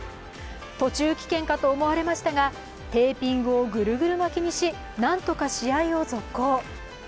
途中棄権かと思われましたがテーピングをぐるぐる巻きにし、なんとか試合を続行。